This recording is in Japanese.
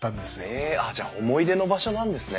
へえじゃあ思い出の場所なんですね。